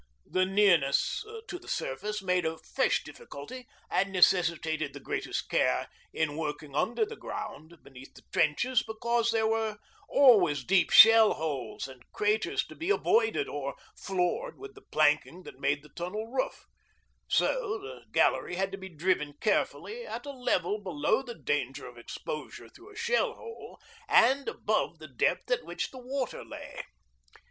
The nearness to the surface made a fresh difficulty and necessitated the greatest care in working under the ground between the trenches, because here there were always deep shell holes and craters to be avoided or floored with the planking that made the tunnel roof. So the gallery had to be driven carefully at a level below the danger of exposure through a shell hole and above the depth at which the water lay.